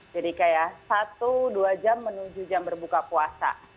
jadi kayak satu dua jam menuju jam berbuka puasa